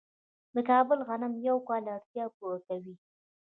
د کابل غنم د یو کال اړتیا پوره کوي.